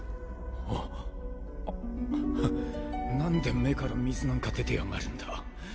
ヘッなんで目から水なんか出てやがるんだ。